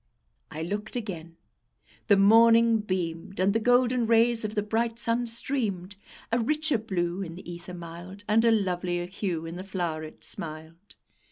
I looked again; the morning beamed, And the golden rays of the bright sun streamed: A richer blue in the ether mild, And a lovelier hue in the flow'ret smiled.